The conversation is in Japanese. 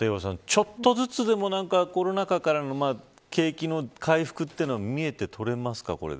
ちょっとずつでもコロナ禍からの景気の回復は見て取れますか。